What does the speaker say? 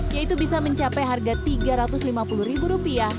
yaitu bisa mencapai harga tiga ratus lima puluh ribu rupiah